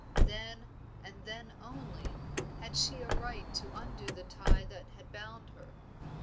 Then, and then only, had she a right to undo the tie that had bound her.